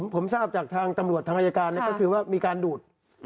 ผมทราบจากทางตำรวจทางอายการก็คือว่ามีการดูด